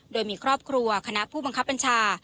โดยมีครอบครัวคณะผู้บังคับบัญชา